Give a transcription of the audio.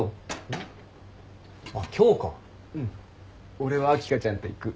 俺は秋香ちゃんと行く。